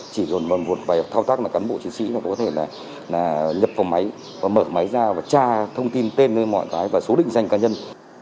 chỉ dồn còn một vài thao tác là cán bộ chiến sĩ có thể là nhập phòng máy và mở máy ra và tra thông tin tên mọi cái và số định danh cá nhân